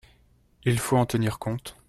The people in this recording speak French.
Il faut en tenir compte.